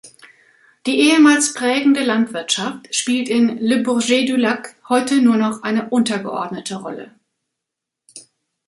Die ehemals prägende Landwirtschaft spielt in Le Bourget-du-Lac heute nur noch eine untergeordnete Rolle.